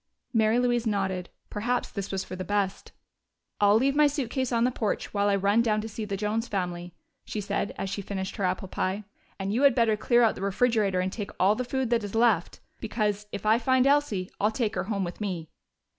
Mary Louise nodded: perhaps this was for the best. "I'll leave my suitcase on the porch while I run down to see the Jones family," she said, as she finished her apple pie. "And you had better clear out the refrigerator and take all the food that is left, because, if I find Elsie, I'll take her home with me."